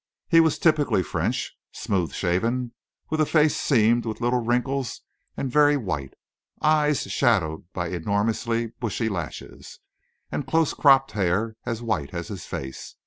He was typically French, smooth shaven, with a face seamed with little wrinkles and very white, eyes shadowed by enormously bushy lashes, and close cropped hair as white as his face.